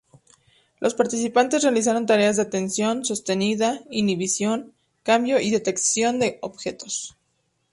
Los participantes realizaron tareas de atención sostenida, inhibición, cambio y detección de objetos.